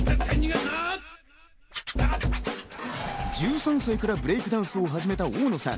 １３歳からブレイクダンスを始めた大野さん。